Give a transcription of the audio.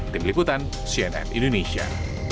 tim liputan cnn indonesia